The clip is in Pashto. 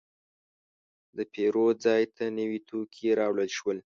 د پیرود ځای ته نوي توکي راوړل شول.